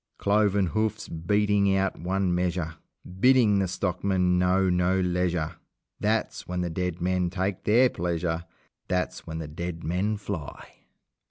Cloven hoofs beating out one measure, Bidding the stockman know no leisure That's when the dead men take their pleasure! That's when the dead men fly!